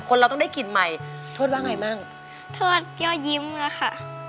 คนเราต้องได้กลิ่นใหม่ทวดว่าไงบ้างทวดก็ยิ้มแล้วค่ะ